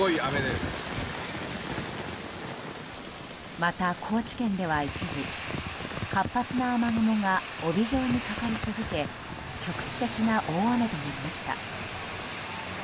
また高知県では一時活発な雨雲が帯状にかかり続け局地的な大雨となりました。